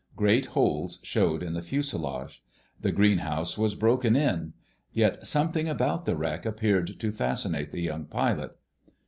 Great holes showed in the fuselage. The greenhouse was broken in. Yet something about the wreck appeared to fascinate the young pilot.